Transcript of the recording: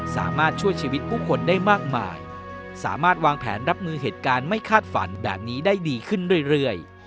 สามารถช่วยชีวิตผู้คนได้มากมายสามารถวางแผนรับมือเหตุการณ์ไม่คาดฝันแบบนี้ได้ดีขึ้นเรื่อย